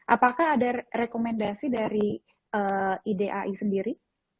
apakah ada rekomendasi dari idai sendiri